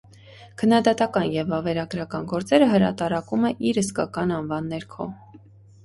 Քննադատական և վավերագրական գործերը հրատարակում է իր իսկական անվան ներքո։